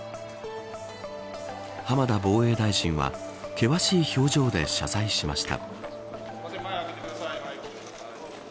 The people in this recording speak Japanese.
浜田防衛大臣は険しい表情で謝罪しました。